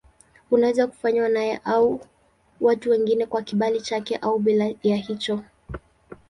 Unaweza kufanywa naye au na watu wengine kwa kibali chake au bila ya hicho.